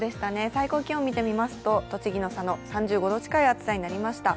最高気温をみてみますと栃木の佐野、３５度近い暑さになりました。